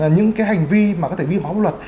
những cái hành vi mà có thể vi phạm pháp luật